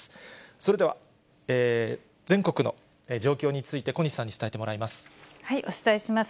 それでは全国の状況について小西さんに伝えてもらいます。